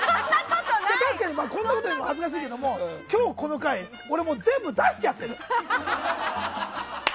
確かに、こんなこと言うのも恥ずかしいけど今日、この回俺もう全部出しちゃってる。